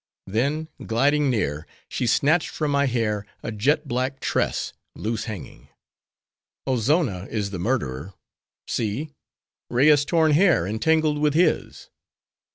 Then, gliding near, she snatched from my hair, a jet black tress, loose hanging. 'Ozonna is the murderer! See! Rea's torn hair entangled with his!